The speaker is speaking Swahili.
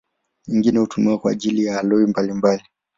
Nyingine hutumiwa kwa ajili ya aloi mbalimbali.